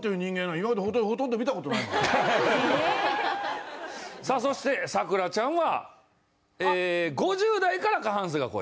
もうさあそして咲楽ちゃんは５０代から過半数が超える？